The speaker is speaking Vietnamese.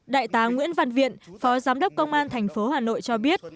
đại tá nguyễn văn viện phó giám đốc công an thành phố hà nội cho biết